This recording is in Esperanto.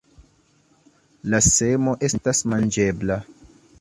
La semo estas manĝebla.